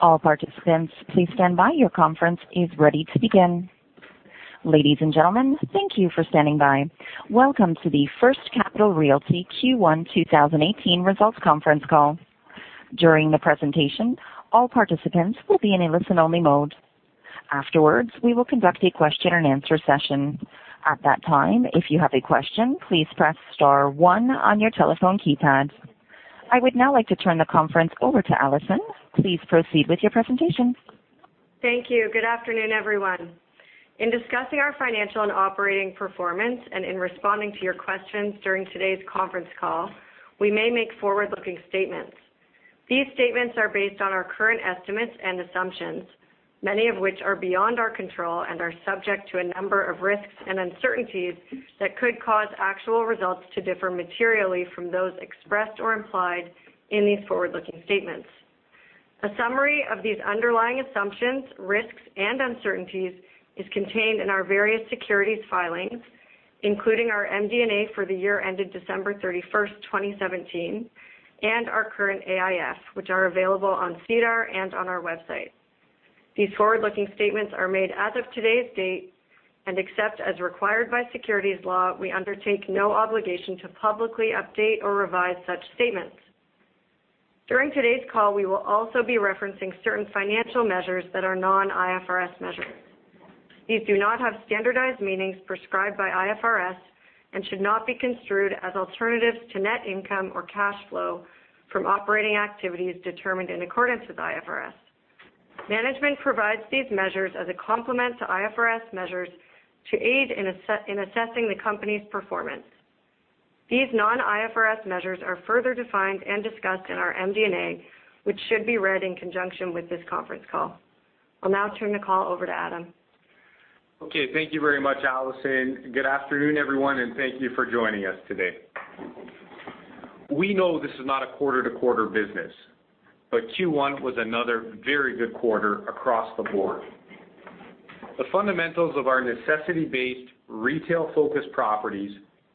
All participants, please stand by. Your conference is ready to begin. Ladies and gentlemen, thank you for standing by. Welcome to the First Capital Realty Q1 2018 Results Conference Call. During the presentation, all participants will be in a listen-only mode. Afterwards, we will conduct a question and answer session. At that time, if you have a question, please press star one on your telephone keypad. I would now like to turn the conference over to Alison. Please proceed with your presentation. Thank you. Good afternoon, everyone. In discussing our financial and operating performance, in responding to your questions during today's conference call, we may make forward-looking statements. These statements are based on our current estimates and assumptions, many of which are beyond our control and are subject to a number of risks and uncertainties that could cause actual results to differ materially from those expressed or implied in these forward-looking statements. A summary of these underlying assumptions, risks, and uncertainties is contained in our various securities filings, including our MD&A for the year ended December 31st, 2017, our current AIF, which are available on SEDAR and on our website. These forward-looking statements are made as of today's date, except as required by securities law, we undertake no obligation to publicly update or revise such statements. During today's call, we will also be referencing certain financial measures that are non-IFRS measures. These do not have standardized meanings prescribed by IFRS and should not be construed as alternatives to net income or cash flow from operating activities determined in accordance with IFRS. Management provides these measures as a complement to IFRS measures to aid in assessing the company's performance. These non-IFRS measures are further defined and discussed in our MD&A, which should be read in conjunction with this conference call. I'll now turn the call over to Adam. Okay. Thank you very much, Alison. Good afternoon, everyone, thank you for joining us today. We know this is not a quarter-to-quarter business, Q1 was another very good quarter across the board. The fundamentals of our necessity-based, retail-focused properties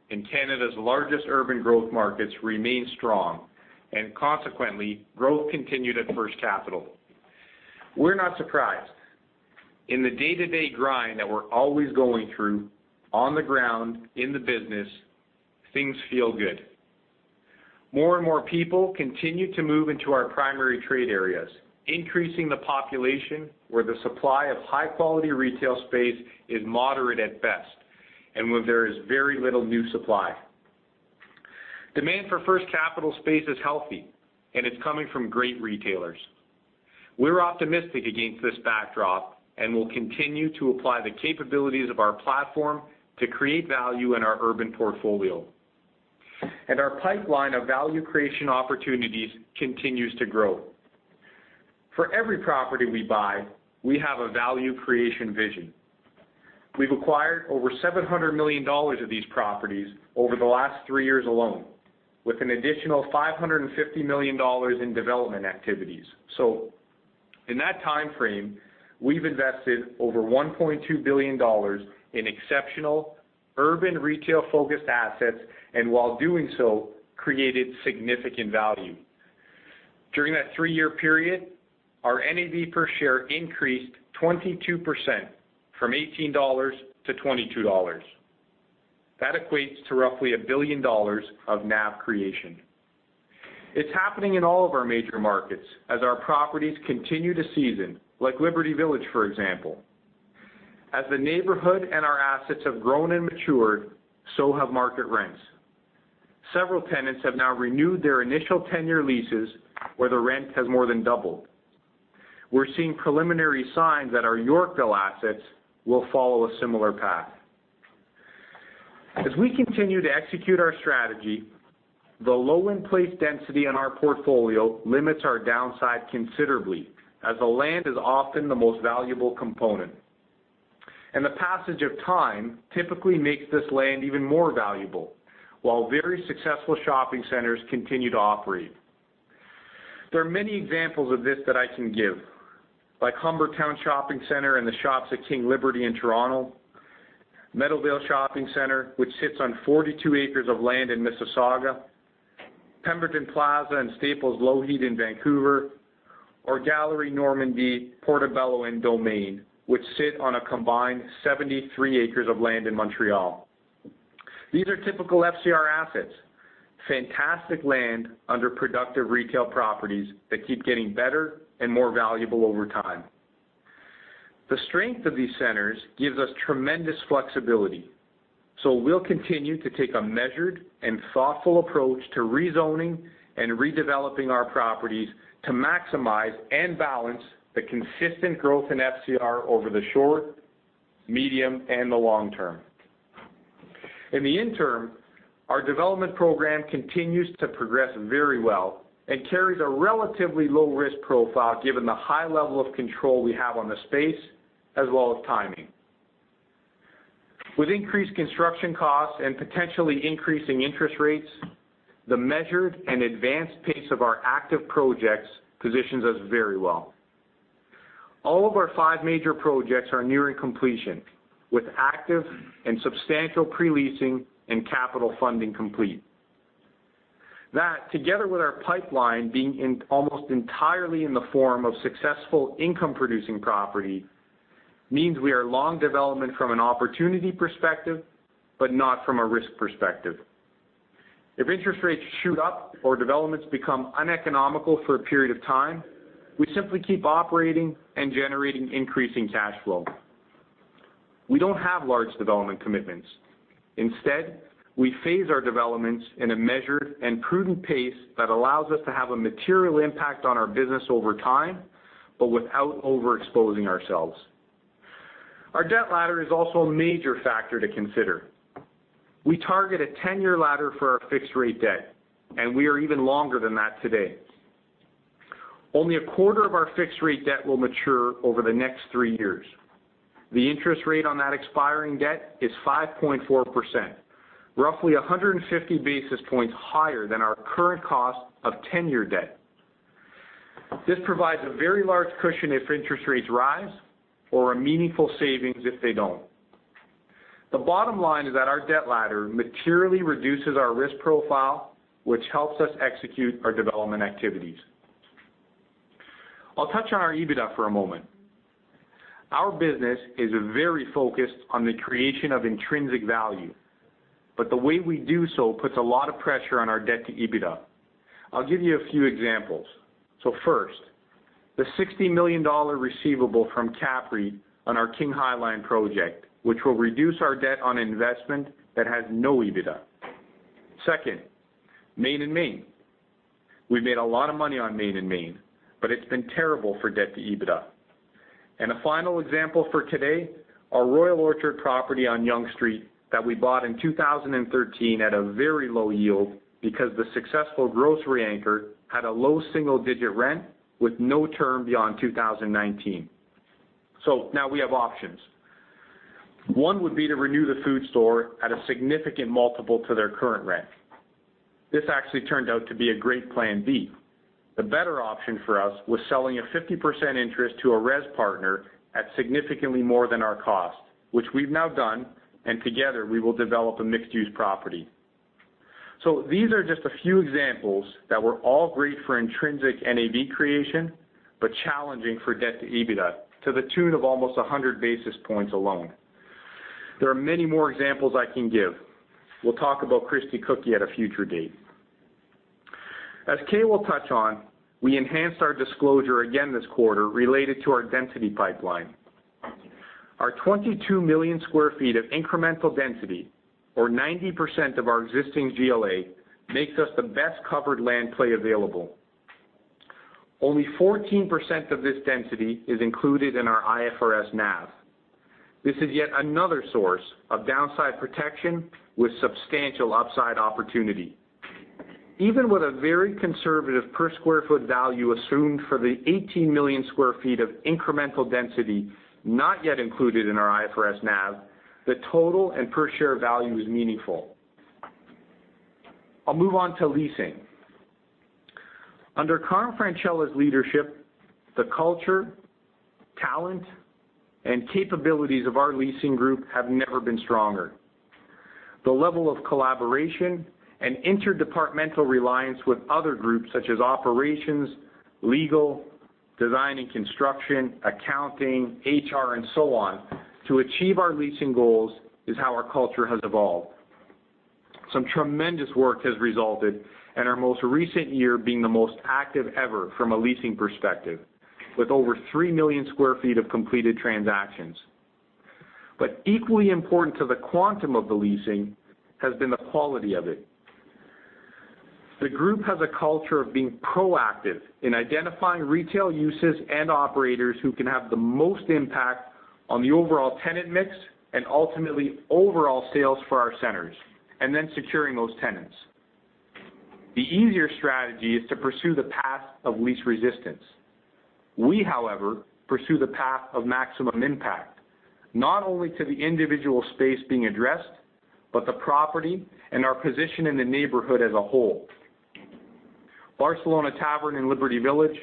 in Canada's largest urban growth markets remain strong, consequently, growth continued at First Capital. We're not surprised. In the day-to-day grind that we're always going through, on the ground, in the business, things feel good. More and more people continue to move into our primary trade areas, increasing the population where the supply of high-quality retail space is moderate at best, where there is very little new supply. Demand for First Capital space is healthy, it's coming from great retailers. We're optimistic against this backdrop will continue to apply the capabilities of our platform to create value in our urban portfolio. Our pipeline of value creation opportunities continues to grow. For every property we buy, we have a value creation vision. We've acquired over 700 million dollars of these properties over the last three years alone, with an additional 550 million dollars in development activities. In that timeframe, we've invested over 1.2 billion dollars in exceptional urban retail-focused assets, and while doing so, created significant value. During that three-year period, our NAV per share increased 22%, from 18 dollars to 22 dollars. That equates to roughly 1 billion dollars of NAV creation. It's happening in all of our major markets as our properties continue to season, like Liberty Village, for example. As the neighborhood and our assets have grown and matured, so have market rents. Several tenants have now renewed their initial 10-year leases where the rent has more than doubled. We're seeing preliminary signs that our Yorkville assets will follow a similar path. As we continue to execute our strategy, the low in-place density in our portfolio limits our downside considerably, as the land is often the most valuable component. The passage of time typically makes this land even more valuable while very successful shopping centers continue to operate. There are many examples of this that I can give, like Humbertown Shopping Centre and the Shops at King Liberty in Toronto, Meadowvale Town Centre, which sits on 42 acres of land in Mississauga, Pemberton Plaza and Staples Lougheed in Vancouver, or Galeries Normandie, Portobello, and Domaine, which sit on a combined 73 acres of land in Montreal. These are typical FCR assets. Fantastic land under productive retail properties that keep getting better and more valuable over time. The strength of these centers gives us tremendous flexibility. We'll continue to take a measured and thoughtful approach to rezoning and redeveloping our properties to maximize and balance the consistent growth in FCR over the short, medium, and the long term. In the interim, our development program continues to progress very well and carries a relatively low-risk profile given the high level of control we have on the space, as well as timing. With increased construction costs and potentially increasing interest rates, the measured and advanced pace of our active projects positions us very well. All of our five major projects are nearing completion, with active and substantial pre-leasing and capital funding complete. That, together with our pipeline being almost entirely in the form of successful income-producing property, means we are long development from an opportunity perspective, but not from a risk perspective. If interest rates shoot up or developments become uneconomical for a period of time, we simply keep operating and generating increasing cash flow. We don't have large development commitments. Instead, we phase our developments in a measured and prudent pace that allows us to have a material impact on our business over time, but without overexposing ourselves. Our debt ladder is also a major factor to consider. We target a 10-year ladder for our fixed-rate debt, and we are even longer than that today. Only a quarter of our fixed-rate debt will mature over the next three years. The interest rate on that expiring debt is 5.4%, roughly 150 basis points higher than our current cost of 10-year debt. This provides a very large cushion if interest rates rise or a meaningful savings if they don't. The bottom line is that our debt ladder materially reduces our risk profile, which helps us execute our development activities. I'll touch on our EBITDA for a moment. Our business is very focused on the creation of intrinsic value, the way we do so puts a lot of pressure on our debt to EBITDA. I'll give you a few examples. First, the 60 million dollar receivable from CAPREIT on our King High Line project, which will reduce our debt on investment that has no EBITDA. Second, Main & Main. We made a lot of money on Main & Main, it's been terrible for debt to EBITDA. A final example for today, our Royal Orchard property on Yonge Street that we bought in 2013 at a very low yield because the successful grocery anchor had a low single-digit rent with no term beyond 2019. Now we have options. One would be to renew the food store at a significant multiple to their current rent. This actually turned out to be a great plan B. The better option for us was selling a 50% interest to a residential partner at significantly more than our cost, which we've now done, and together, we will develop a mixed-use property. These are just a few examples that were all great for intrinsic NAV creation, challenging for debt to EBITDA, to the tune of almost 100 basis points alone. There are many more examples I can give. We'll talk about The Christie Cookie Co. at a future date. As Kay will touch on, we enhanced our disclosure again this quarter related to our density pipeline. Our 22 million square feet of incremental density, or 90% of our existing GLA, makes us the best-covered land play available. Only 14% of this density is included in our IFRS NAV. This is yet another source of downside protection with substantial upside opportunity. Even with a very conservative per square foot value assumed for the 18 million square feet of incremental density not yet included in our IFRS NAV, the total and per share value is meaningful. I'll move on to leasing. Under Carmine Francella's leadership, the culture, talent, and capabilities of our leasing group have never been stronger. The level of collaboration and interdepartmental reliance with other groups such as operations, legal, design and construction, accounting, HR, and so on to achieve our leasing goals is how our culture has evolved. Some tremendous work has resulted, our most recent year being the most active ever from a leasing perspective, with over 3 million square feet of completed transactions. Equally important to the quantum of the leasing has been the quality of it. The group has a culture of being proactive in identifying retail uses and operators who can have the most impact on the overall tenant mix and ultimately overall sales for our centers, and then securing those tenants. The easier strategy is to pursue the path of least resistance. We, however, pursue the path of maximum impact, not only to the individual space being addressed, but the property and our position in the neighborhood as a whole. Barcelona Tavern in Liberty Village,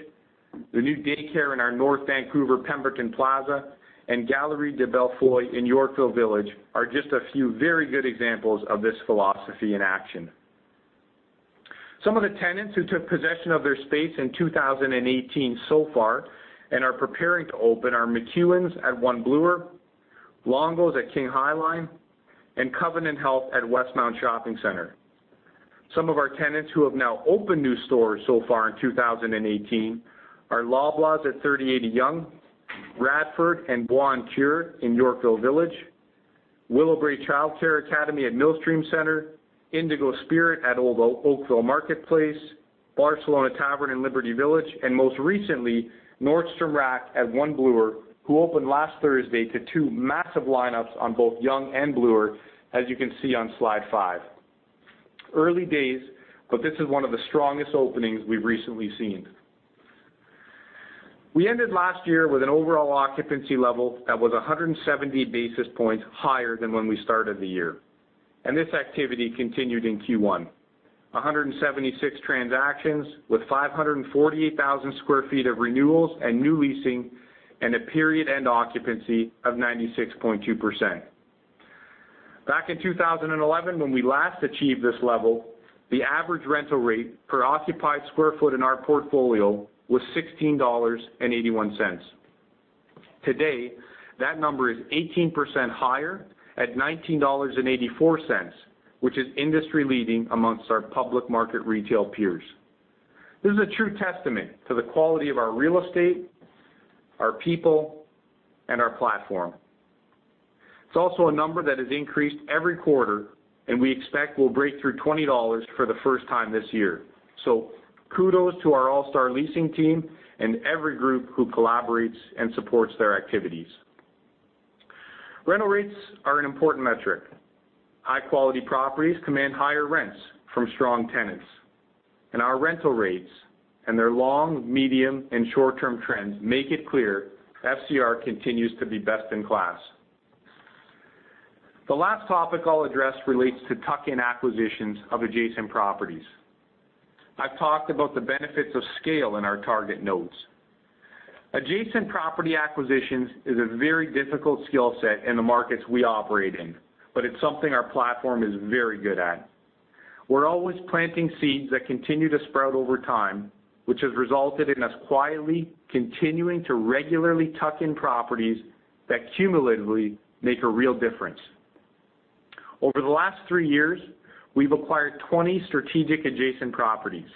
the new daycare in our North Vancouver Pemberton Plaza, and Galerie de Bellefeuille in Yorkville Village are just a few very good examples of this philosophy in action. Some of the tenants who took possession of their space in 2018 so far and are preparing to open are McEwan's at One Bloor, Longo's at King High Line, and Covenant Health at Westmount Shopping Centre. Some of our tenants who have now opened new stores so far in 2018 are Loblaws at 3080 Yonge, Radford and in Yorkville Village, Willowbrae Academy at Millstream Village, IndigoSpirit at Olde Oakville Marketplace, Barcelona Tavern in Liberty Village, and most recently, Nordstrom Rack at One Bloor, who opened last Thursday to two massive lineups on both Yonge and Bloor, as you can see on slide five. Early days, but this is one of the strongest openings we've recently seen. We ended last year with an overall occupancy level that was 170 basis points higher than when we started the year, and this activity continued in Q1. 176 transactions with 548,000 sq ft of renewals and new leasing, and a period end occupancy of 96.2%. Back in 2011, when we last achieved this level, the average rental rate per occupied sq ft in our portfolio was 16.81 dollars. Today, that number is 18% higher at 19.84 dollars, which is industry-leading amongst our public market retail peers. This is a true testament to the quality of our real estate, our people, and our platform. It's also a number that has increased every quarter, and we expect will break through 20 dollars for the first time this year. Kudos to our all-star leasing team and every group who collaborates and supports their activities. Rental rates are an important metric. High-quality properties command higher rents from strong tenants. Our rental rates and their long, medium, and short-term trends make it clear FCR continues to be best in class. The last topic I'll address relates to tuck-in acquisitions of adjacent properties. I've talked about the benefits of scale in our target notes. Adjacent property acquisitions is a very difficult skill set in the markets we operate in, but it's something our platform is very good at. We're always planting seeds that continue to sprout over time, which has resulted in us quietly continuing to regularly tuck in properties that cumulatively make a real difference. Over the last three years, we've acquired 20 strategic adjacent properties.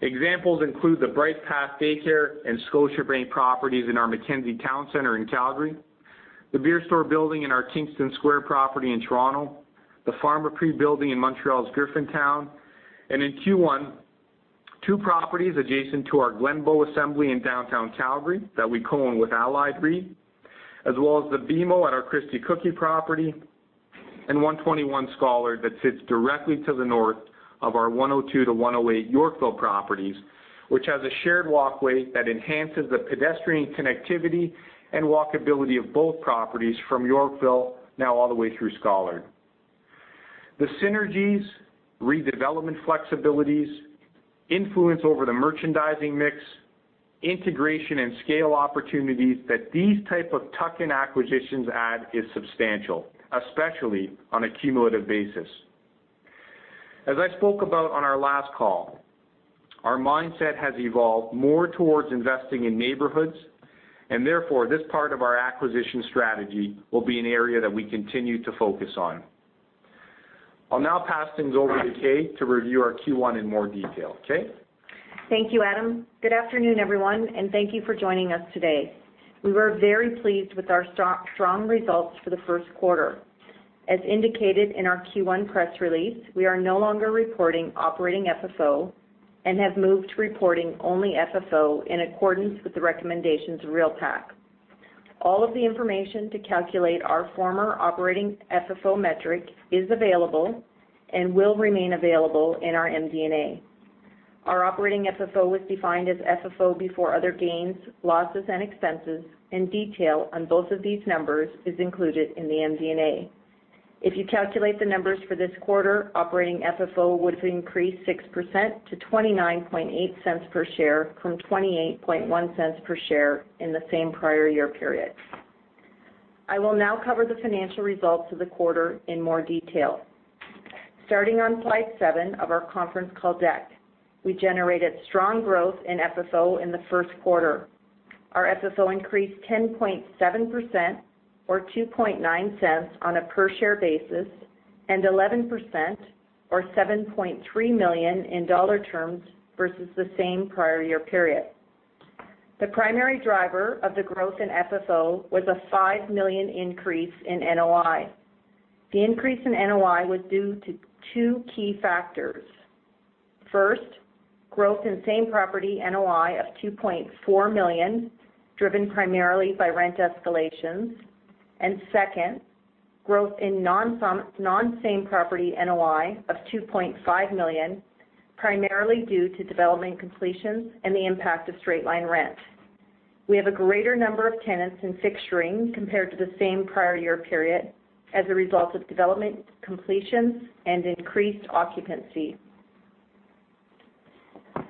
Examples include the BrightPath Daycare and Scotiabank properties in our McKenzie Towne Centre in Calgary, The Beer Store building in our Kingston Square property in Toronto, the Pharmaprix building in Montreal's Griffintown, and in Q1, two properties adjacent to our Glenbow Assembly in downtown Calgary that we co-own with Allied REIT, as well as the BMO at our The Christie Cookie Co. property, and 121 Scollard that sits directly to the north of our 102 to 108 Yorkville properties, which has a shared walkway that enhances the pedestrian connectivity and walkability of both properties from Yorkville now all the way through Scollard. The synergies, redevelopment flexibilities, influence over the merchandising mix, integration and scale opportunities that these type of tuck-in acquisitions add is substantial, especially on a cumulative basis. As I spoke about on our last call, our mindset has evolved more towards investing in neighborhoods, therefore, this part of our acquisition strategy will be an area that we continue to focus on. I will now pass things over to Kay to review our Q1 in more detail. Kay? Thank you, Adam. Good afternoon, everyone, thank you for joining us today. We were very pleased with our strong results for the first quarter. As indicated in our Q1 press release, we are no longer reporting operating FFO and have moved to reporting only FFO in accordance with the recommendations of REALPAC. All of the information to calculate our former operating FFO metric is available and will remain available in our MD&A. Our operating FFO was defined as FFO before other gains, losses, and expenses. Detail on both of these numbers is included in the MD&A. If you calculate the numbers for this quarter, operating FFO would have increased 6% to 0.298 per share from 0.281 per share in the same prior year period. I will now cover the financial results of the quarter in more detail. Starting on slide seven of our conference call deck. We generated strong growth in FFO in the first quarter. Our FFO increased 10.7%, or 0.029 on a per-share basis, 11%, or 7.3 million in dollar terms versus the same prior year period. The primary driver of the growth in FFO was a 5 million increase in NOI. The increase in NOI was due to two key factors. First, growth in same-property NOI of 2.4 million, driven primarily by rent escalations. Second, growth in non-same property NOI of 2.5 million, primarily due to development completions and the impact of straight-line rent. We have a greater number of tenants in fixturing compared to the same prior year period as a result of development completions and increased occupancy.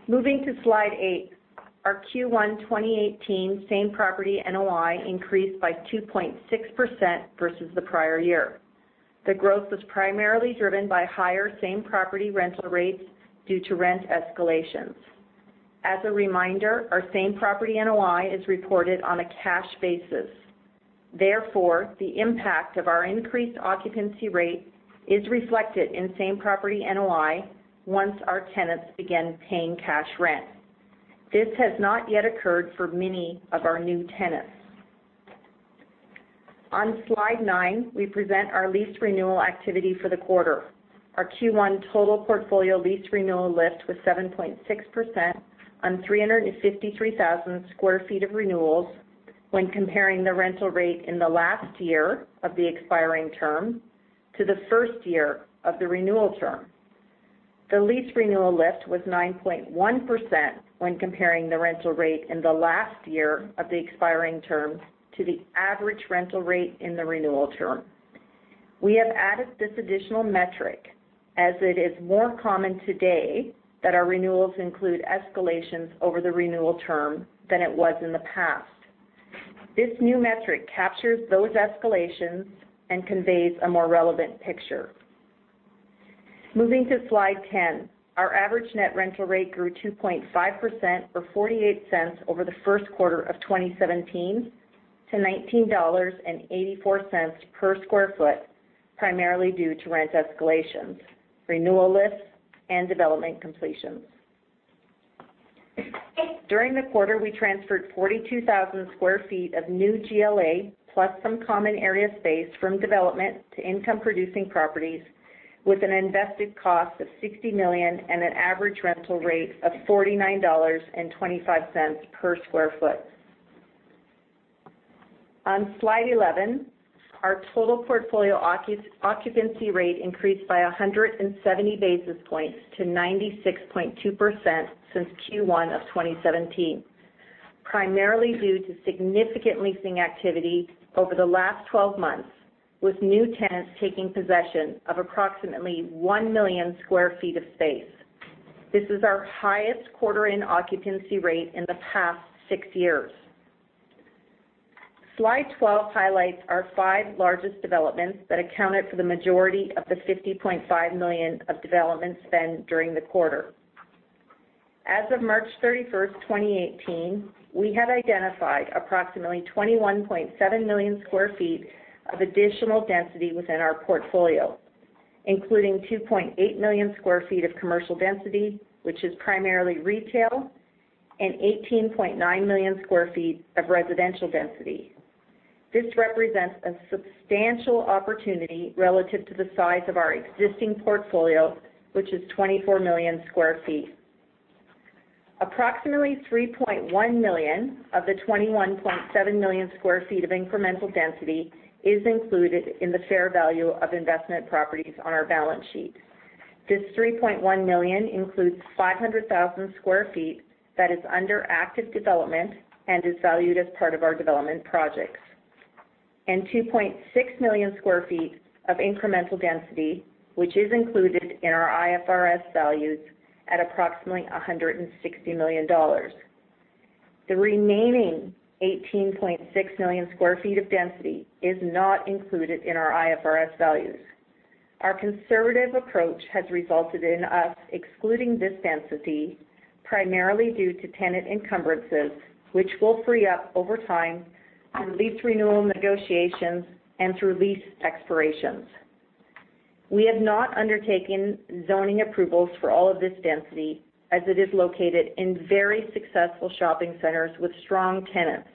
Moving to slide eight, our Q1 2018 same-property NOI increased by 2.6% versus the prior year. The growth was primarily driven by higher same-property rental rates due to rent escalations. As a reminder, our same-property NOI is reported on a cash basis. Therefore, the impact of our increased occupancy rate is reflected in same-property NOI once our tenants begin paying cash rent. This has not yet occurred for many of our new tenants. On slide nine, we present our lease renewal activity for the quarter. Our Q1 total portfolio lease renewal lift was 7.6% on 353,000 sq ft of renewals when comparing the rental rate in the last year of the expiring term to the first year of the renewal term. The lease renewal lift was 9.1% when comparing the rental rate in the last year of the expiring term to the average rental rate in the renewal term. We have added this additional metric, as it is more common today that our renewals include escalations over the renewal term than it was in the past. This new metric captures those escalations and conveys a more relevant picture. Moving to slide 10. Our average net rental rate grew 2.5%, or 0.48 over the first quarter of 2017, to 19.84 dollars per sq ft, primarily due to rent escalations, renewal lifts, and development completions. During the quarter, we transferred 42,000 sq ft of new GLA, plus some common area space from development to income-producing properties with an invested cost of 60 million and an average rental rate of 49.25 dollars per sq ft. On slide 11, our total portfolio occupancy rate increased by 170 basis points to 96.2% since Q1 of 2017, primarily due to significant leasing activity over the last 12 months, with new tenants taking possession of approximately 1 million sq ft of space. This is our highest quarter in occupancy rate in the past 6 years. Slide 12 highlights our 5 largest developments that accounted for the majority of the 50.5 million of development spend during the quarter. As of March 31st, 2018, we have identified approximately 21.7 million sq ft of additional density within our portfolio, including 2.8 million sq ft of commercial density, which is primarily retail, and 18.9 million sq ft of residential density. This represents a substantial opportunity relative to the size of our existing portfolio, which is 24 million sq ft. Approximately 3.1 million sq ft of the 21.7 million sq ft of incremental density is included in the fair value of investment properties on our balance sheet. This 3.1 million sq ft includes 500,000 sq ft that is under active development and is valued as part of our development projects, and 2.6 million sq ft of incremental density, which is included in our IFRS values at approximately 160 million dollars. The remaining 18.6 million sq ft of density is not included in our IFRS values. Our conservative approach has resulted in us excluding this density, primarily due to tenant encumbrances, which will free up over time through lease renewal negotiations and through lease expirations. We have not undertaken zoning approvals for all of this density, as it is located in very successful shopping centers with strong tenants,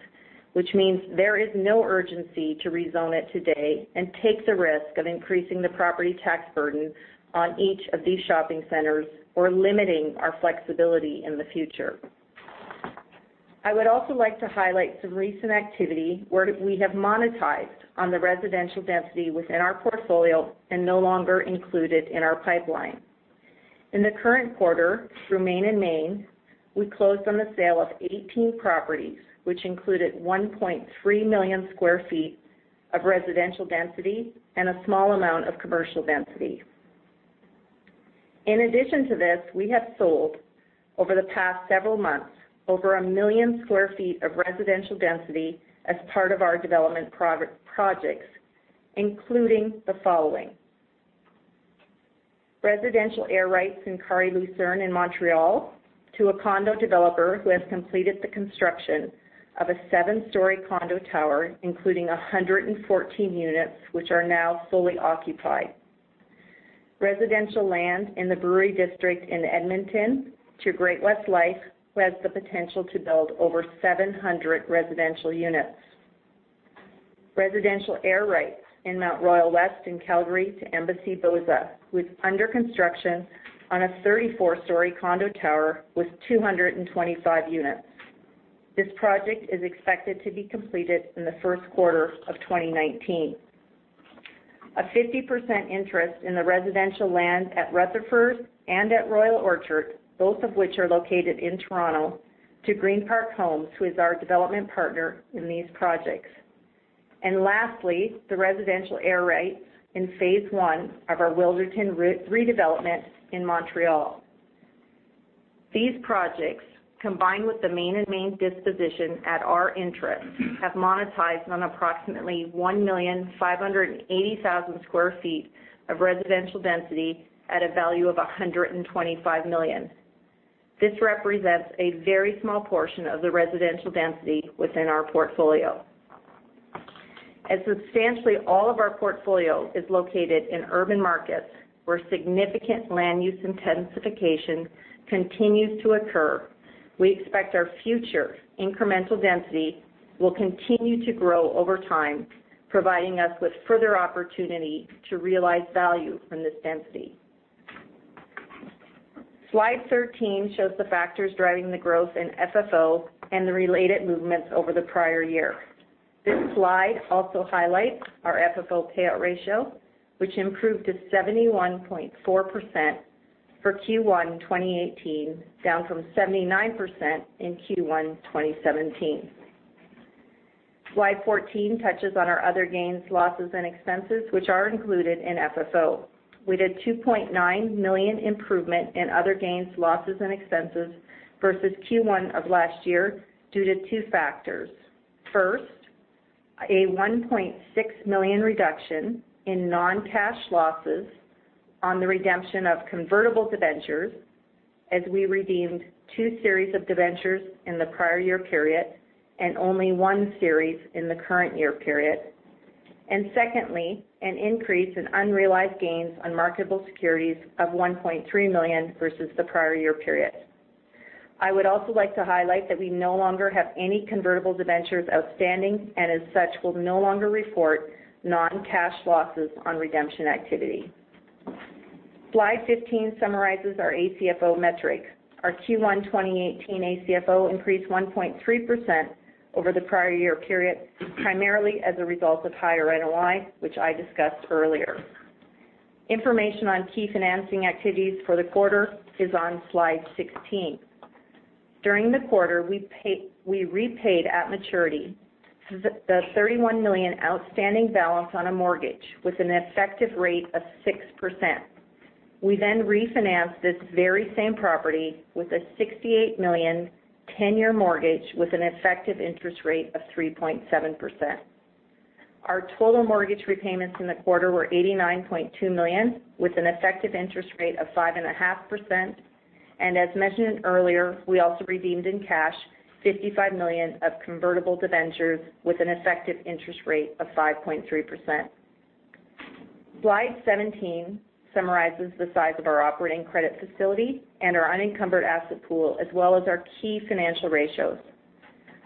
which means there is no urgency to rezone it today and take the risk of increasing the property tax burden on each of these shopping centers or limiting our flexibility in the future. I would also like to highlight some recent activity where we have monetized on the residential density within our portfolio and no longer included in our pipeline. In the current quarter, through Main & Main, we closed on the sale of 18 properties, which included 1.3 million sq ft of residential density and a small amount of commercial density. In addition to this, we have sold, over the past several months, over 1 million sq ft of residential density as part of our development projects, including the following: residential air rights in Carrefour LaSalle in Montreal to a condo developer who has completed the construction of a 7-story condo tower, including 114 units, which are now fully occupied. Residential land in the Brewery District in Edmonton to Great-West Life, who has the potential to build over 700 residential units. Residential air rights in Mount Royal West in Calgary to Embassy Bosa, who is under construction on a 34-story condo tower with 225 units. This project is expected to be completed in the first quarter of 2019. A 50% interest in the residential land at Rutherford and at Royal Orchard, both of which are located in Toronto, to Greenpark Homes, who is our development partner in these projects. Lastly, the residential air rights in phase one of our Wilderton redevelopment in Montreal. These projects, combined with the Main & Main disposition at our interest, have monetized on approximately 1,580,000 square feet of residential density at a value of 125 million. This represents a very small portion of the residential density within our portfolio. As substantially all of our portfolio is located in urban markets where significant land use intensification continues to occur, we expect our future incremental density will continue to grow over time, providing us with further opportunity to realize value from this density. Slide 13 shows the factors driving the growth in FFO and the related movements over the prior year. This slide also highlights our FFO payout ratio, which improved to 71.4% for Q1 2018, down from 79% in Q1 2017. Slide 14 touches on our other gains, losses, and expenses, which are included in FFO. We did 2.9 million improvement in other gains, losses, and expenses versus Q1 of last year due to two factors. First, a 1.6 million reduction in non-cash losses on the redemption of convertible debentures as we redeemed two series of debentures in the prior year period and only one series in the current year period. Secondly, an increase in unrealized gains on marketable securities of 1.3 million versus the prior year period. I would also like to highlight that we no longer have any convertible debentures outstanding, and as such, will no longer report non-cash losses on redemption activity. Slide 15 summarizes our ACFO metric. Our Q1 2018 ACFO increased 1.3% over the prior year period, primarily as a result of higher NOI, which I discussed earlier. Information on key financing activities for the quarter is on slide 16. During the quarter, we repaid at maturity the 31 million outstanding balance on a mortgage with an effective rate of 6%. We then refinanced this very same property with a 68 million 10-year mortgage with an effective interest rate of 3.7%. Our total mortgage repayments in the quarter were 89.2 million, with an effective interest rate of 5.5%. As mentioned earlier, we also redeemed in cash 55 million of convertible debentures with an effective interest rate of 5.3%. Slide 17 summarizes the size of our operating credit facility and our unencumbered asset pool, as well as our key financial ratios.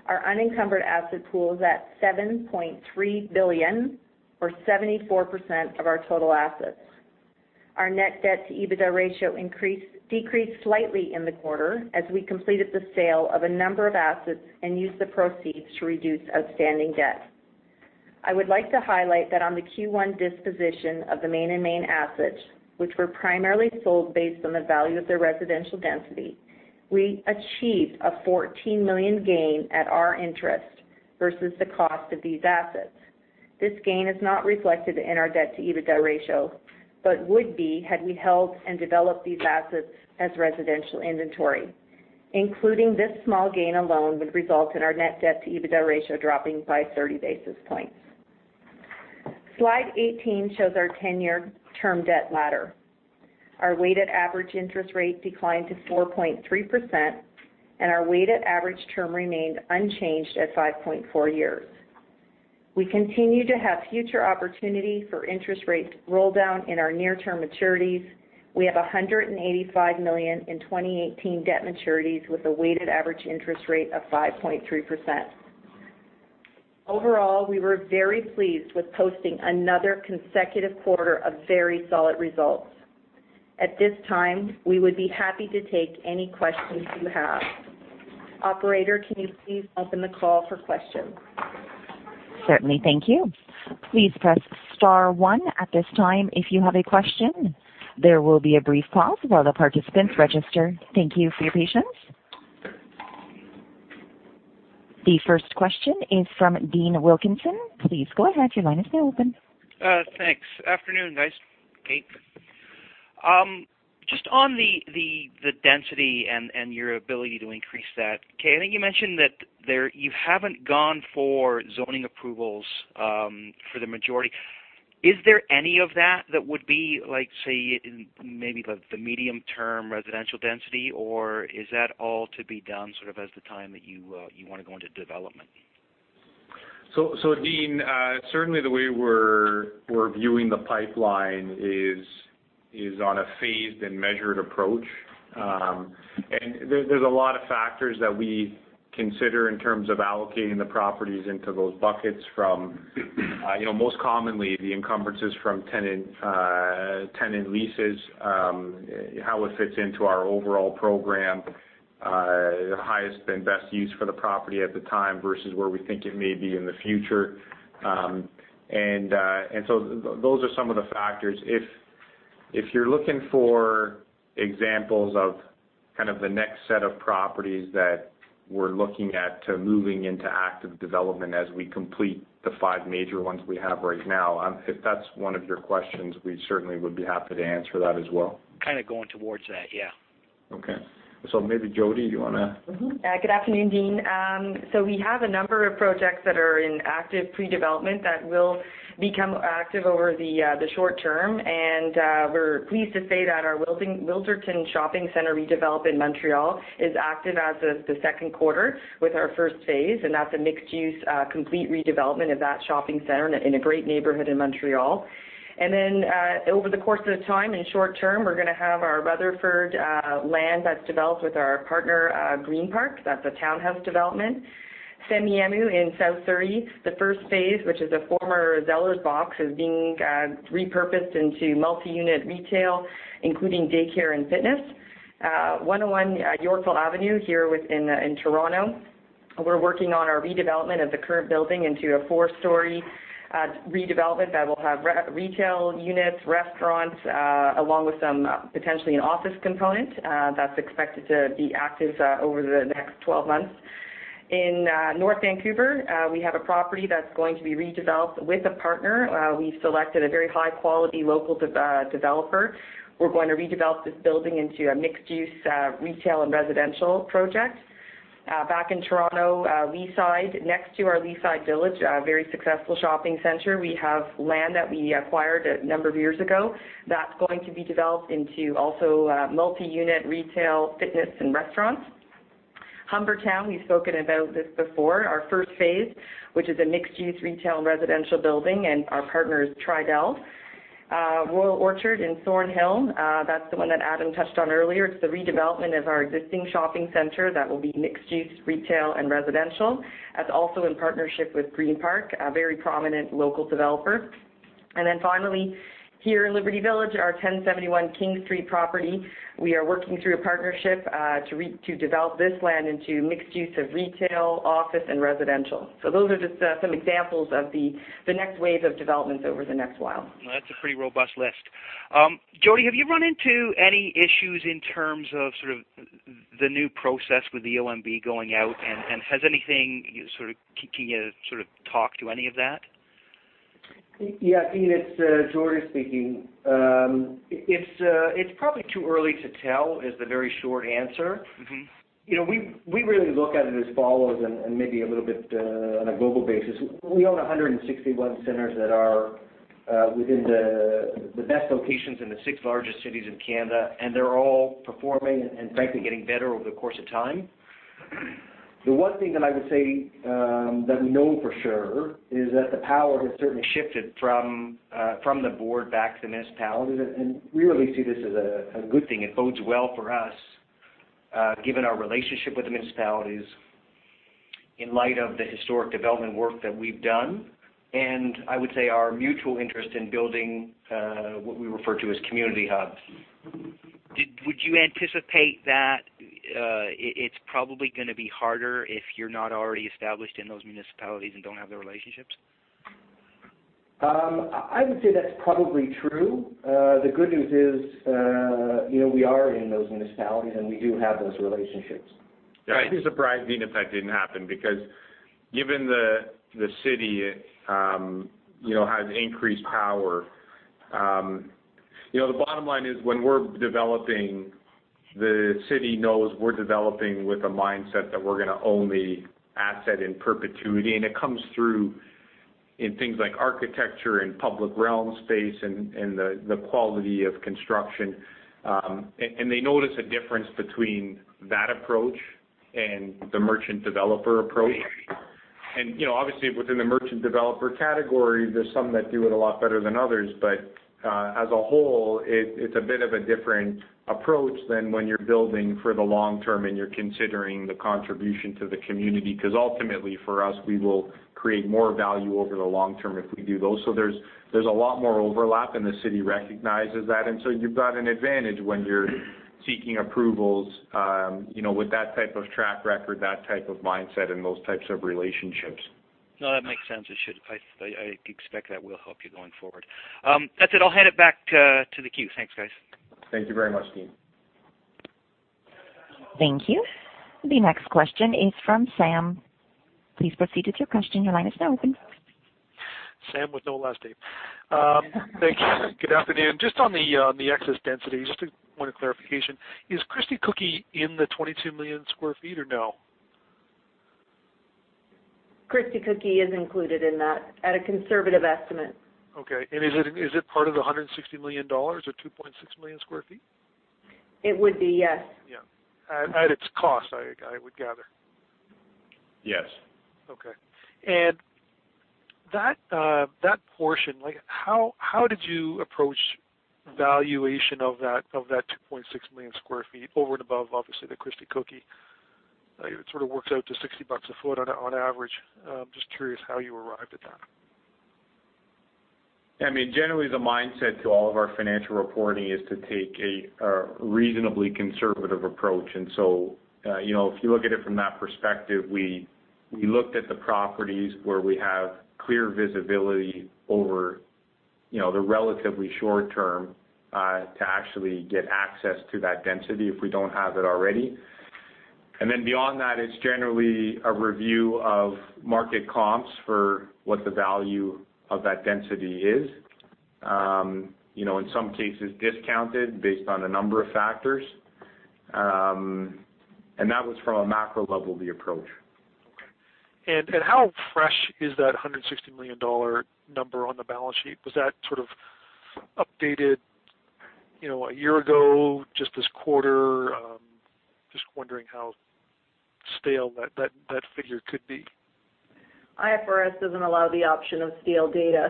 Our unencumbered asset pool is at 7.3 billion, or 74% of our total assets. Our net debt-to-EBITDA ratio decreased slightly in the quarter as we completed the sale of a number of assets and used the proceeds to reduce outstanding debt. I would like to highlight that on the Q1 disposition of the Main & Main assets, which were primarily sold based on the value of their residential density, we achieved a 14 million gain at our interest versus the cost of these assets. This gain is not reflected in our debt-to-EBITDA ratio, but would be had we held and developed these assets as residential inventory. Including this small gain alone would result in our net debt-to-EBITDA ratio dropping by 30 basis points. Slide 18 shows our 10-year term debt ladder. Our weighted average interest rate declined to 4.3%, and our weighted average term remained unchanged at 5.4 years. We continue to have future opportunity for interest rates to roll down in our near-term maturities. We have 185 million in 2018 debt maturities with a weighted average interest rate of 5.3%. Overall, we were very pleased with posting another consecutive quarter of very solid results. At this time, we would be happy to take any questions you have. Operator, can you please open the call for questions? Certainly. Thank you. Please press star one at this time if you have a question. There will be a brief pause while the participants register. Thank you for your patience. The first question is from Dean Wilkinson. Please go ahead. Your line is now open. Thanks. Afternoon, guys. Kay. Just on the density and your ability to increase that, Kay, I think you mentioned that you haven't gone for zoning approvals for the majority. Is there any of that that would be, say, maybe the medium-term residential density, or is that all to be done sort of as the time that you want to go into development? Dean, certainly the way we're viewing the pipeline is on a phased and measured approach. There's a lot of factors that we consider in terms of allocating the properties into those buckets from, most commonly, the encumbrances from tenant leases, how it fits into our overall program, highest and best use for the property at the time versus where we think it may be in the future. Those are some of the factors. If you're looking for examples of kind of the next set of properties that we're looking at to moving into active development as we complete the five major ones we have right now, if that's one of your questions, we certainly would be happy to answer that as well. Kind of going towards that, yeah. Okay. Maybe, Jodi, you want to Good afternoon, Dean. We have a number of projects that are in active pre-development that will become active over the short term. We're pleased to say that our Wilderton Centre redevelop in Montreal is active as of the second quarter with our first phase. That's a mixed-use complete redevelopment of that shopping center in a great neighborhood in Montreal. Over the course of time, in short term, we're going to have our Rutherford land that's developed with our partner Greenpark. That's a townhouse development. Semiahmoo in South Surrey, the first phase, which is a former Zellers box, is being repurposed into multi-unit retail, including daycare and fitness. 101 Yorkville Avenue here in Toronto, we're working on our redevelopment of the current building into a four-story redevelopment that will have retail units, restaurants, along with potentially an office component. That's expected to be active over the next 12 months. North Vancouver, we have a property that's going to be redeveloped with a partner. We've selected a very high-quality local developer. We're going to redevelop this building into a mixed-use, retail and residential project. Toronto, Leaside, next to our Leaside Village, a very successful shopping center, we have land that we acquired a number of years ago. That's going to be developed into also multi-unit retail, fitness, and restaurants. Humbertown, we've spoken about this before. Our first phase, which is a mixed-use retail and residential building. Our partner is Tridel. Royal Orchard in Thornhill, that's the one that Adam touched on earlier. It's the redevelopment of our existing shopping center that will be mixed-use retail and residential. That's also in partnership with Greenpark, a very prominent local developer. Finally, here in Liberty Village, our 1071 King Street property, we are working through a partnership to develop this land into mixed use of retail, office, and residential. Those are just some examples of the next wave of developments over the next while. That's a pretty robust list. Jodi, have you run into any issues in terms of the new process with the OMB going out, and can you talk to any of that? Dean, it's George speaking. It's probably too early to tell, is the very short answer. We really look at it as follows, and maybe a little bit on a global basis. We own 161 centers that are within the best locations in the six largest cities in Canada, and they're all performing and frankly getting better over the course of time. The one thing that I would say that we know for sure is that the power has certainly shifted from the board back to the municipalities, and we really see this as a good thing. It bodes well for us, given our relationship with the municipalities in light of the historic development work that we've done, and I would say our mutual interest in building what we refer to as community hubs. Would you anticipate that it's probably going to be harder if you're not already established in those municipalities and don't have the relationships? I would say that's probably true. The good news is we are in those municipalities, and we do have those relationships. Yeah, I'd be surprised, Dean, if that didn't happen, because given the city has increased power. The bottom line is, when we're developing, the city knows we're developing with a mindset that we're going to own the asset in perpetuity, and it comes through in things like architecture and public realm space and the quality of construction. They notice a difference between that approach and the merchant developer approach. Obviously within the merchant developer category, there's some that do it a lot better than others. As a whole, it's a bit of a different approach than when you're building for the long term and you're considering the contribution to the community, because ultimately for us, we will create more value over the long term if we do those. There's a lot more overlap, and the city recognizes that, and so you've got an advantage when you're seeking approvals with that type of track record, that type of mindset, and those types of relationships. No, that makes sense. It should. I expect that will help you going forward. That's it. I'll hand it back to the queue. Thanks, guys. Thank you very much, Dean. Thank you. The next question is from Sam. Please proceed with your question. Your line is now open. Sam with no last name. Thank you. Good afternoon. Just on the excess density, just want a clarification. Is Christie Cookie in the 22 million square feet or no? Christie Cookie is included in that at a conservative estimate. Okay. Is it part of the 160 million dollars or 2.6 million sq ft? It would be, yes. Yeah. At its cost, I would gather. Yes. Okay. That portion, how did you approach valuation of that 2.6 million sq ft over and above, obviously, the Christie Cookie? It sort of works out to 60 bucks a foot on average. Just curious how you arrived at that. I mean, generally, the mindset to all of our financial reporting is to take a reasonably conservative approach. If you look at it from that perspective, we looked at the properties where we have clear visibility over the relatively short term to actually get access to that density if we don't have it already. Beyond that, it's generally a review of market comps for what the value of that density is. In some cases, discounted based on a number of factors. That was from a macro level, the approach. Okay. How fresh is that 160 million dollar number on the balance sheet? Was that sort of updated a year ago? Just this quarter? Just wondering how stale that figure could be. IFRS doesn't allow the option of stale data.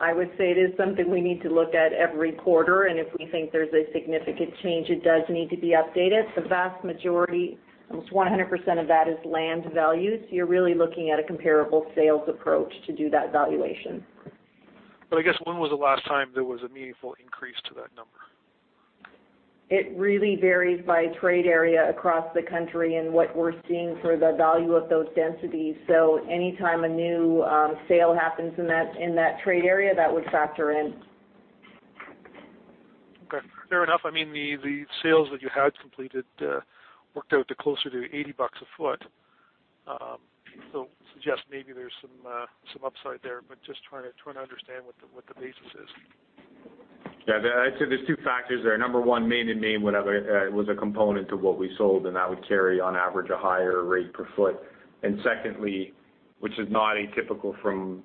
I would say it is something we need to look at every quarter, and if we think there's a significant change, it does need to be updated. The vast majority, almost 100% of that is land value, so you're really looking at a comparable sales approach to do that valuation. I guess when was the last time there was a meaningful increase to that number? It really varies by trade area across the country and what we're seeing for the value of those densities. Anytime a new sale happens in that trade area, that would factor in. Okay, fair enough. The sales that you had completed, worked out to closer to 80 bucks a foot. Suggest maybe there's some upside there, but just trying to understand what the basis is. Yeah. I'd say there's two factors there. Number one, Main & Main was a component of what we sold, and that would carry on average a higher rate per foot. Secondly, which is not atypical from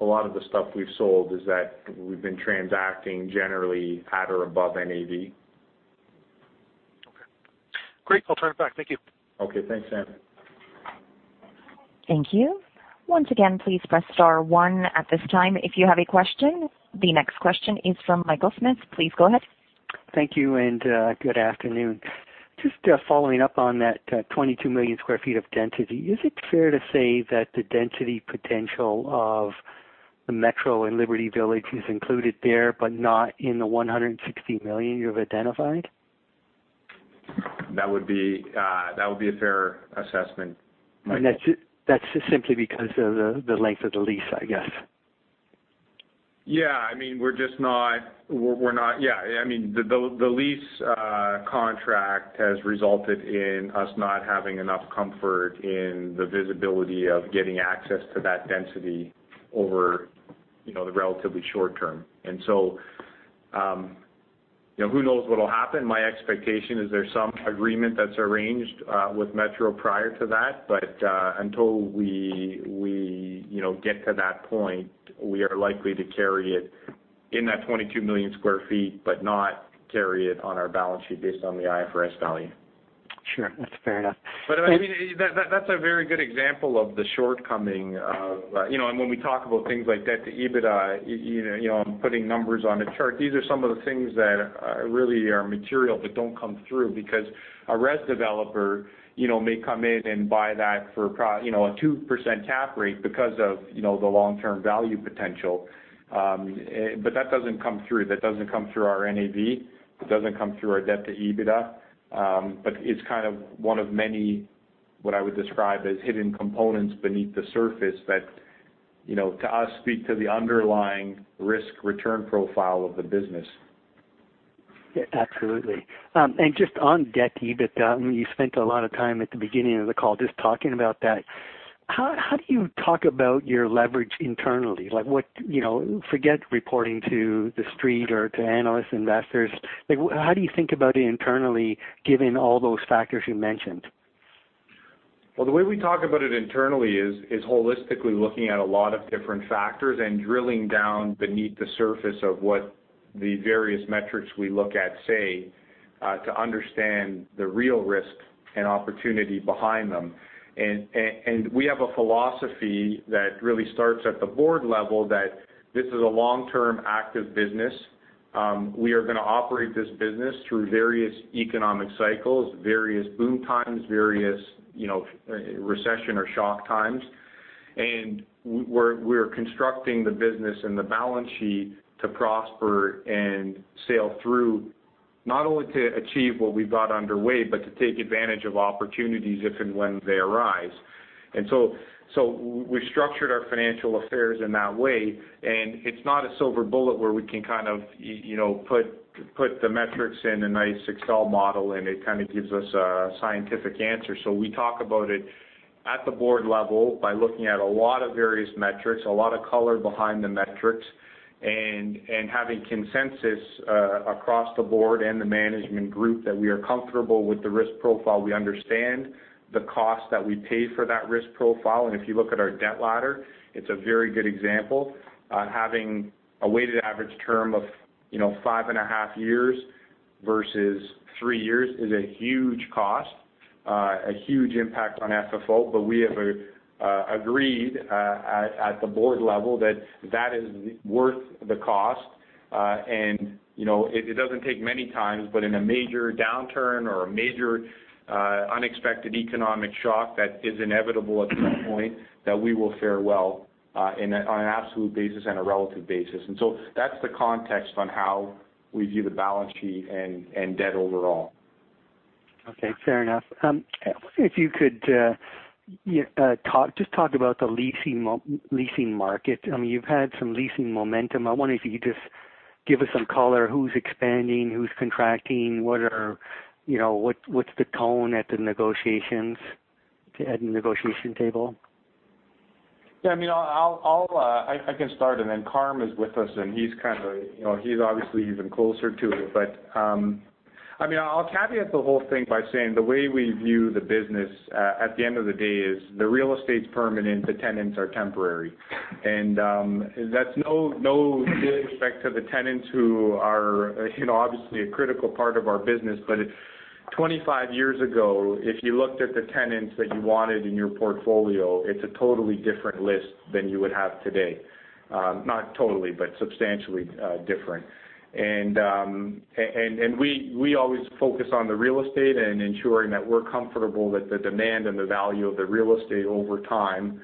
a lot of the stuff we've sold, is that we've been transacting generally at or above NAV. Okay. Great. I'll turn it back. Thank you. Okay. Thanks, Sam. Thank you. Once again, please press star one at this time if you have a question. The next question is from Michael Markidis. Please go ahead. Thank you, and good afternoon. Just following up on that 22 million square feet of density, is it fair to say that the density potential of the Metro and Liberty Village is included there, but not in the 160 million you have identified? That would be a fair assessment, Michael. That's just simply because of the length of the lease, I guess. Yeah. The lease contract has resulted in us not having enough comfort in the visibility of getting access to that density over the relatively short-term. Who knows what'll happen? My expectation is there's some agreement that's arranged with Metro prior to that. Until we get to that point, we are likely to carry it in that 22 million square feet, but not carry it on our balance sheet based on the IFRS value. Sure. That's fair enough. That's a very good example of the shortcoming of. When we talk about things like debt to EBITDA, I'm putting numbers on a chart. These are some of the things that really are material but don't come through because a res developer may come in and buy that for a 2% cap rate because of the long-term value potential. That doesn't come through. That doesn't come through our NAV. It doesn't come through our debt to EBITDA. It's one of many, what I would describe as, hidden components beneath the surface that, to us, speak to the underlying risk-return profile of the business. Yeah, absolutely. Just on debt to EBITDA, you spent a lot of time at the beginning of the call just talking about that. How do you talk about your leverage internally? Forget reporting to the Street or to analysts, investors. How do you think about it internally given all those factors you mentioned? Well, the way we talk about it internally is holistically looking at a lot of different factors and drilling down beneath the surface of what the various metrics we look at say, to understand the real risk and opportunity behind them. We have a philosophy that really starts at the board level that this is a long-term active business. We are going to operate this business through various economic cycles, various boom times, various recession or shock times. We're constructing the business and the balance sheet to prosper and sail through, not only to achieve what we've got underway, but to take advantage of opportunities if and when they arise. So we've structured our financial affairs in that way, and it's not a silver bullet where we can put the metrics in a nice Excel model and it kind of gives us a scientific answer. We talk about it at the board level by looking at a lot of various metrics, a lot of color behind the metrics, and having consensus across the board and the management group that we are comfortable with the risk profile. We understand the cost that we pay for that risk profile. If you look at our debt ladder, it's a very good example on having a weighted average term of five and a half years versus three years is a huge cost, a huge impact on FFO. We have agreed, at the board level, that is worth the cost. It doesn't take many times, but in a major downturn or a major unexpected economic shock that is inevitable at some point, that we will fare well on an absolute basis and a relative basis. That's the context on how we view the balance sheet and debt overall. Okay, fair enough. I wonder if you could just talk about the leasing market. You've had some leasing momentum. I wonder if you could just give us some color. Who's expanding? Who's contracting? What's the tone at the negotiation table? Yeah. I can start and then Carm is with us and he's obviously even closer to it. I'll caveat the whole thing by saying, the way we view the business at the end of the day is the real estate's permanent, the tenants are temporary. That's no disrespect to the tenants who are obviously a critical part of our business. 25 years ago, if you looked at the tenants that you wanted in your portfolio, it's a totally different list than you would have today. Not totally, but substantially different. We always focus on the real estate and ensuring that we're comfortable that the demand and the value of the real estate over time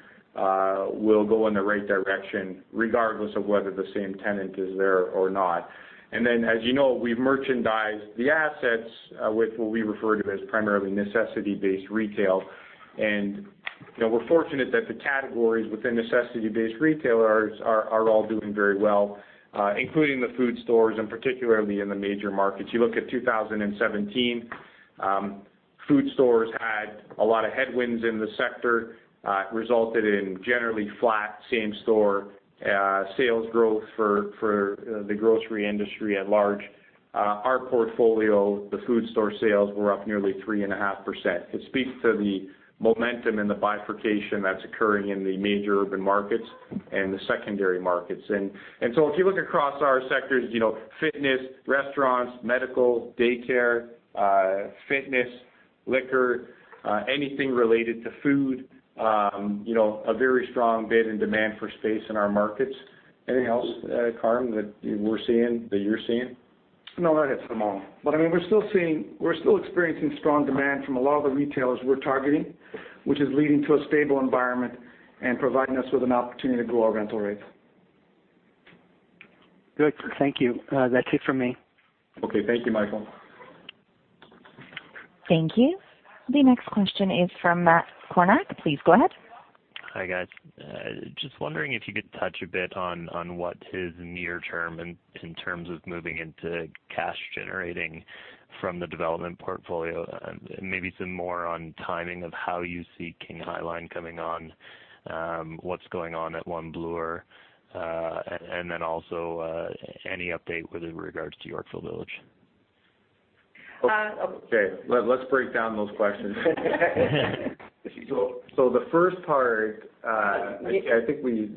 will go in the right direction, regardless of whether the same tenant is there or not. As you know, we've merchandised the assets, with what we refer to as primarily necessity-based retail. We're fortunate that the categories within necessity-based retailers are all doing very well, including the food stores and particularly in the major markets. You look at 2017, food stores had a lot of headwinds in the sector, resulted in generally flat same-store sales growth for the grocery industry at large. Our portfolio, the food store sales were up nearly 3.5%. It speaks to the momentum and the bifurcation that's occurring in the major urban markets and the secondary markets. If you look across our sectors, fitness, restaurants, medical, daycare, fitness, liquor, anything related to food, a very strong bid in demand for space in our markets. Anything else, Carmine, that we're seeing, that you're seeing? That hits them all. We're still experiencing strong demand from a lot of the retailers we're targeting, which is leading to a stable environment and providing us with an opportunity to grow our rental rates. Good. Thank you. That's it from me. Okay. Thank you, Michael. Thank you. The next question is from Matt Kornack. Please go ahead. Hi, guys. Just wondering if you could touch a bit on what is near term in terms of moving into cash-generating from the development portfolio, and maybe some more on timing of how you see King High Line coming on, what's going on at One Bloor, and then also any update with regards to Yorkville Village. Okay. Let's break down those questions. The first part, I think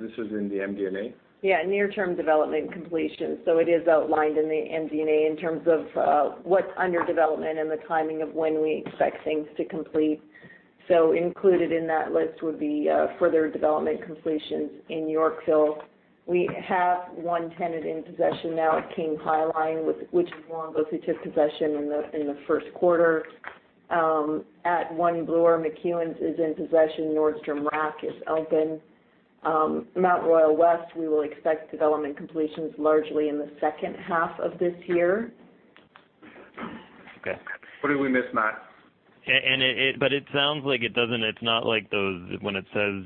this is in the MD&A. Yeah, near-term development completion. It is outlined in the MD&A in terms of what's under development and the timing of when we expect things to complete. Included in that list would be further development completions in Yorkville. We have one tenant in possession now at King High Line, which is Longo's, who took possession in the first quarter. At One Bloor, McEwan's is in possession. Nordstrom Rack is open. Mount Royal Village, we will expect development completions largely in the second half of this year. Okay. What did we miss, Matt? It sounds like it is not like those, when it says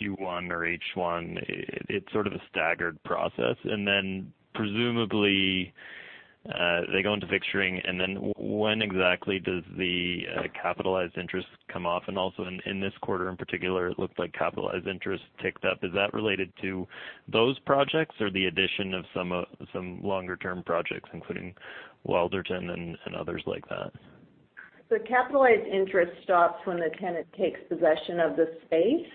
Q1 or H1, it is sort of a staggered process. Then presumably, they go into fixturing, then when exactly does the capitalized interest come off? Also in this quarter in particular, it looked like capitalized interest ticked up. Is that related to those projects or the addition of some longer-term projects, including Wilderton and others like that? The capitalized interest stops when the tenant takes possession of the space.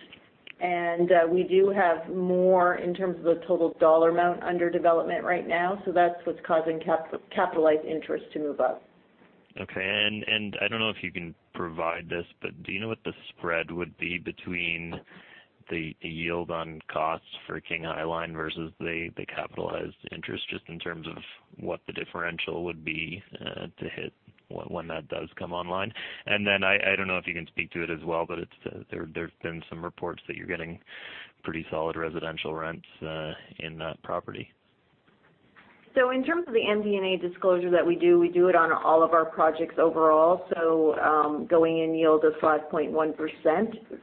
We do have more in terms of the total dollar amount under development right now, so that's what's causing capitalized interest to move up. Okay. I don't know if you can provide this, but do you know what the spread would be between the yield on costs for King High Line versus the capitalized interest, just in terms of what the differential would be to hit when that does come online? Then, I don't know if you can speak to it as well, but there have been some reports that you're getting pretty solid residential rents in that property. In terms of the MD&A disclosure that we do, we do it on all of our projects overall. Going in yield of 5.1%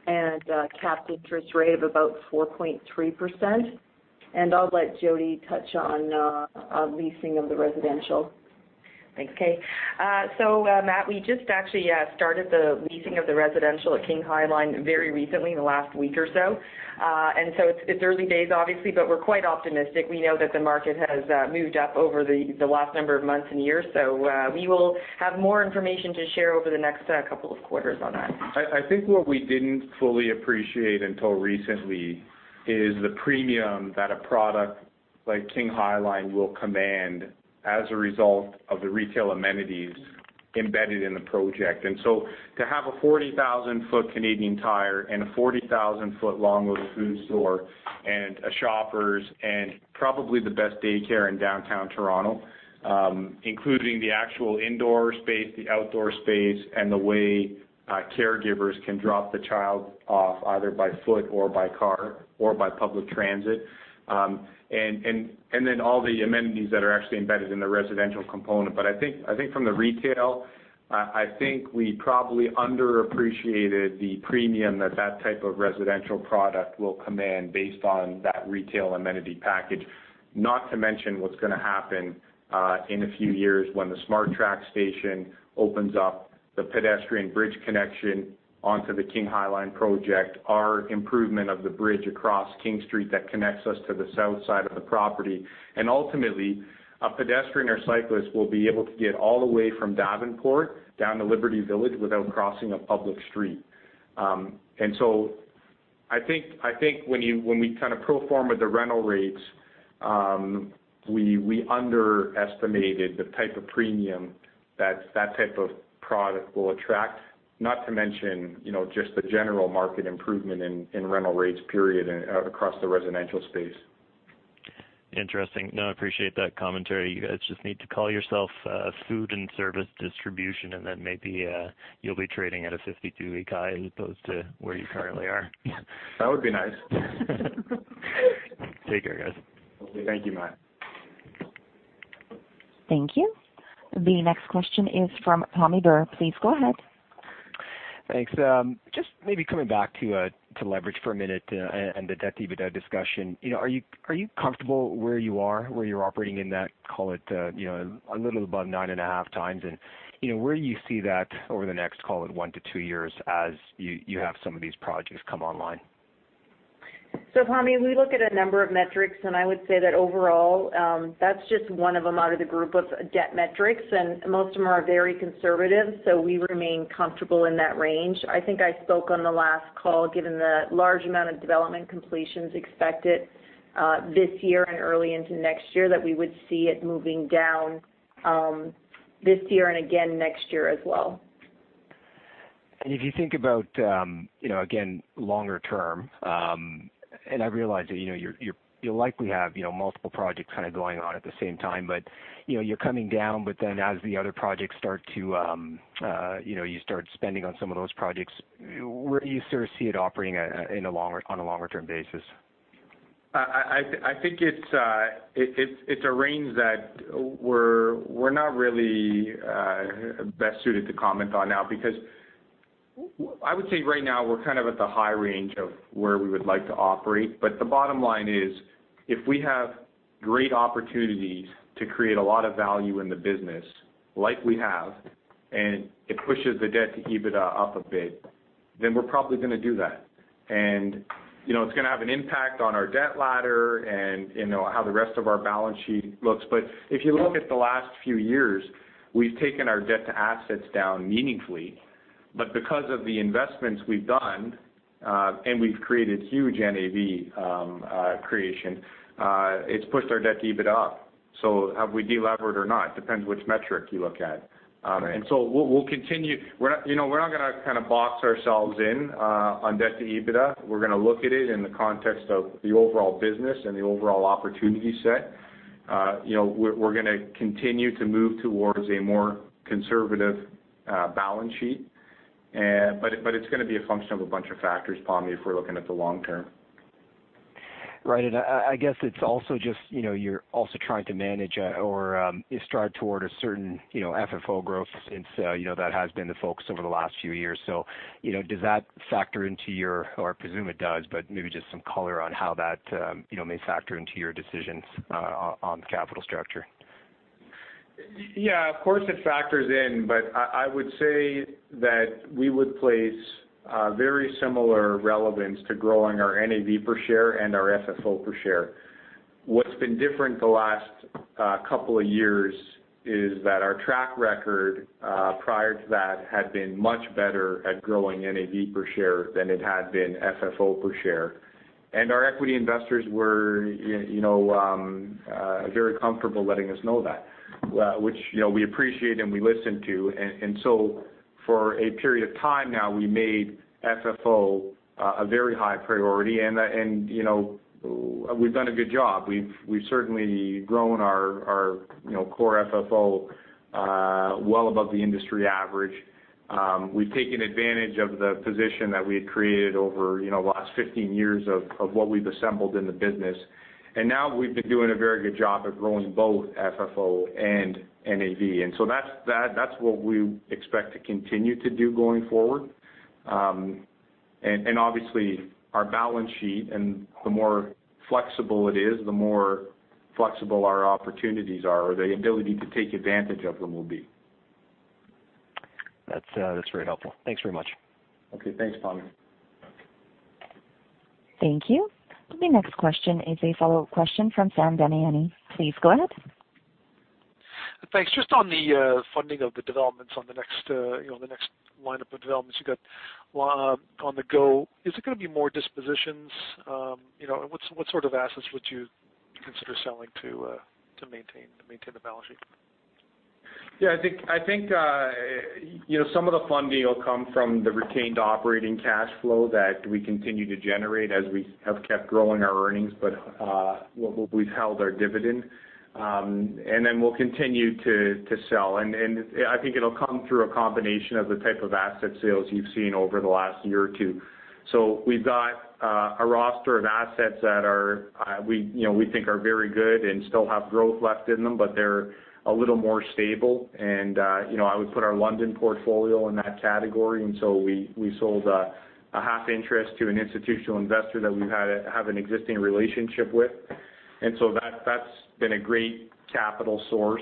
and a capped interest rate of about 4.3%. I'll let Jodi touch on leasing of the residential. Thanks, Kay. Matt, we just actually started the leasing of the residential at King High Line very recently in the last week or so. It's early days, obviously, but we're quite optimistic. We know that the market has moved up over the last number of months and years, so we will have more information to share over the next couple of quarters on that. I think what we didn't fully appreciate until recently is the premium that a product like King High Line will command as a result of the retail amenities embedded in the project. To have a 40,000-foot Canadian Tire and a 40,000-foot Longo's food store and a Shoppers, and probably the best daycare in downtown Toronto, including the actual indoor space, the outdoor space, and the way caregivers can drop the child off either by foot or by car or by public transit. All the amenities that are actually embedded in the residential component. I think from the retail, I think we probably underappreciated the premium that type of residential product will command based on that retail amenity package. Not to mention what's going to happen in a few years when the SmartTrack station opens up the pedestrian bridge connection onto the King High Line project, our improvement of the bridge across King Street that connects us to the south side of the property. Ultimately, a pedestrian or cyclist will be able to get all the way from Davenport down to Liberty Village without crossing a public street. I think when we kind of pro forma the rental rates, we underestimated the type of premium that type of product will attract, not to mention just the general market improvement in rental rates, period, across the residential space. Interesting. I appreciate that commentary. You guys just need to call yourself Food and Service Distribution, and then maybe you'll be trading at a 52-week high as opposed to where you currently are. That would be nice. Take care, guys. Okay. Thank you, Matt. Thank you. The next question is from Tom Ferry. Please go ahead. Thanks. Just maybe coming back to leverage for a minute, and the debt-to-EBITDA discussion. Are you comfortable where you are, where you're operating in that, call it, a little above 9.5 times? Where do you see that over the next, call it 1-2 years, as you have some of these projects come online? Tommy, we look at a number of metrics, and I would say that overall, that's just one of them out of the group of debt metrics, and most of them are very conservative. We remain comfortable in that range. I think I spoke on the last call, given the large amount of development completions expected this year and early into next year, that we would see it moving down this year and again next year as well. If you think about, again, longer term, and I realize that you'll likely have multiple projects kind of going on at the same time, but you're coming down, but then as the other projects you start spending on some of those projects, where do you sort of see it operating on a longer-term basis? I think it's a range that we're not really best suited to comment on now, because I would say right now, we're kind of at the high range of where we would like to operate. The bottom line is, if we have great opportunities to create a lot of value in the business, like we have, and it pushes the debt to EBITDA up a bit, then we're probably going to do that. It's going to have an impact on our debt ladder and how the rest of our balance sheet looks. If you look at the last few years, we've taken our debt to assets down meaningfully. Because of the investments we've done, and we've created huge NAV creation, it's pushed our debt to EBITDA up. Have we de-levered or not? Depends which metric you look at. Right. We'll continue. We're not going to kind of box ourselves in on debt to EBITDA. We're going to look at it in the context of the overall business and the overall opportunity set. We're going to continue to move towards a more conservative balance sheet. It's going to be a function of a bunch of factors, Tommy, if we're looking at the long term. Right. I guess it's also just you're also trying to manage or you strive toward a certain FFO growth since that has been the focus over the last few years. Does that factor into your or I presume it does, but maybe just some color on how that may factor into your decisions on the capital structure. Yeah. Of course, it factors in, but I would say that we would place very similar relevance to growing our NAV per share and our FFO per share. What's been different the last couple of years is that our track record, prior to that, had been much better at growing NAV per share than it had been FFO per share. Our equity investors were very comfortable letting us know that, which we appreciate and we listen to. For a period of time now, we made FFO a very high priority. We've done a good job. We've certainly grown our core FFO well above the industry average. We've taken advantage of the position that we had created over the last 15 years of what we've assembled in the business. Now we've been doing a very good job at growing both FFO and NAV. That's what we expect to continue to do going forward. Obviously, our balance sheet and the more flexible it is, the more flexible our opportunities are, or the ability to take advantage of them will be. That's very helpful. Thanks very much. Okay. Thanks, Tommy. Thank you. The next question is a follow-up question from Sam Damiani. Please go ahead. Thanks. Just on the funding of the developments on the next lineup of developments you got on the go. Is it going to be more dispositions? What sort of assets would you consider selling to maintain the balance sheet? Yeah. I think some of the funding will come from the retained operating cash flow that we continue to generate as we have kept growing our earnings, but we've held our dividend. We'll continue to sell. I think it'll come through a combination of the type of asset sales you've seen over the last year or two. We've got a roster of assets that we think are very good and still have growth left in them, but they're a little more stable. I would put our London portfolio in that category. We sold a half interest to an institutional investor that we have an existing relationship with. That's been a great capital source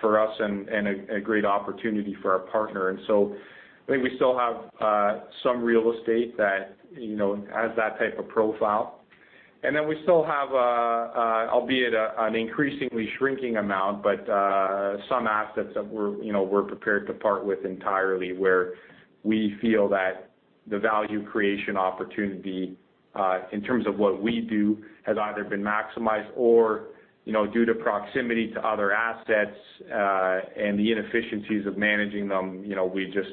for us and a great opportunity for our partner. I think we still have some real estate that has that type of profile. We still have, albeit an increasingly shrinking amount, but some assets that we're prepared to part with entirely, where we feel that the value creation opportunity, in terms of what we do, has either been maximized or due to proximity to other assets, and the inefficiencies of managing them,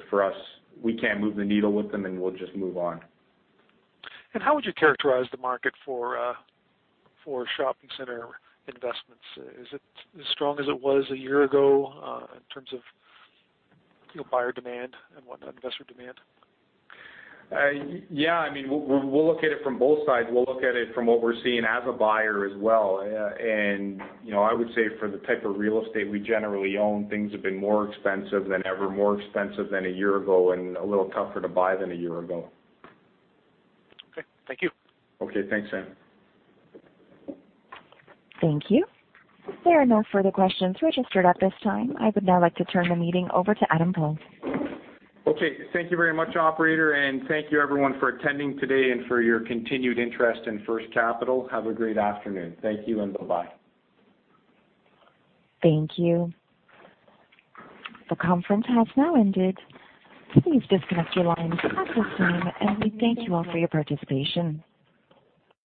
for us, we can't move the needle with them and we'll just move on. How would you characterize the market for shopping center investments? Is it as strong as it was a year ago in terms of buyer demand and whatnot, investor demand? Yeah. We'll look at it from both sides. We'll look at it from what we're seeing as a buyer as well. I would say for the type of real estate we generally own, things have been more expensive than ever, more expensive than a year ago, and a little tougher to buy than a year ago. Okay. Thank you. Okay. Thanks, Sam. Thank you. There are no further questions registered at this time. I would now like to turn the meeting over to Adam Paul. Okay. Thank you very much, operator. Thank you everyone for attending today and for your continued interest in First Capital. Have a great afternoon. Thank you. Bye-bye. Thank you. The conference has now ended. Please disconnect your lines at this time, and we thank you all for your participation.